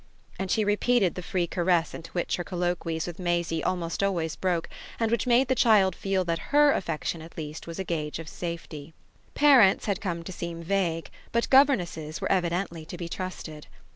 And she repeated the free caress into which her colloquies with Maisie almost always broke and which made the child feel that HER affection at least was a gage of safety. Parents had come to seem vague, but governesses were evidently to be trusted.